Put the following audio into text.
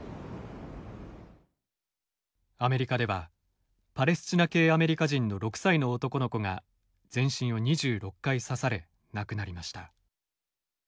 アメリカではパレスチナ系アメリカ人の６歳の男の子が全身を２６回刺され亡くなりました。